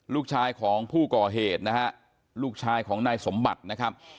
ลูกชายของผู้ก่อเหตุนะฮะลูกชายของนายสมบัตินะครับ